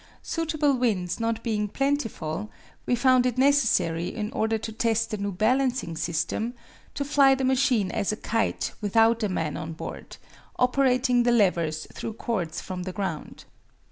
Suitable winds not being plentiful, we found it necessary, in order to test the new balancing system, to fly the machine as a kite without a man on board, operating the levers through cords from the ground.